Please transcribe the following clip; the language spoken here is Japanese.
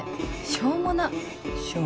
しょうもな。